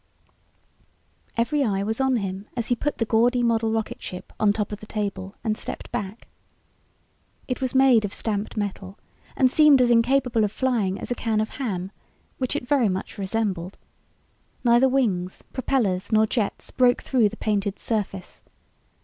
Every eye was on him as he put the gaudy model rocketship on top of the table and stepped back. It was made of stamped metal and seemed as incapable of flying as a can of ham which it very much resembled. Neither wings, propellors, nor jets broke through the painted surface.